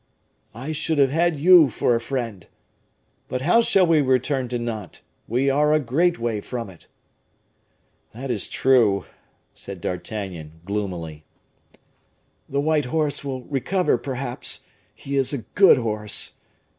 "I should have had you for a friend! But how shall we return to Nantes? We are a great way from it." "That is true," said D'Artagnan, gloomily. "The white horse will recover, perhaps; he is a good horse!